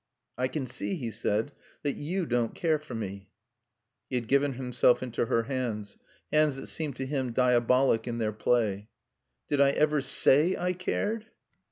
"I can see," he said, "that you don't care for me." He had given himself into her hands hands that seemed to him diabolic in their play. "Did I ever say I cared?"